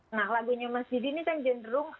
nah lagunya mbak didi ini kan jenderung